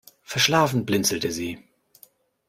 Verschlafen blinzelte sie.